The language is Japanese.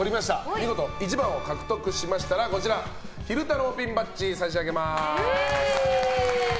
見事１番を獲得しましたら昼太郎ピンバッジを差し上げます。